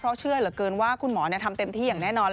เพราะเชื่อเหลือเกินว่าคุณหมอทำเต็มที่อย่างแน่นอน